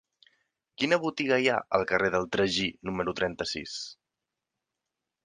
Quina botiga hi ha al carrer del Tragí número trenta-sis?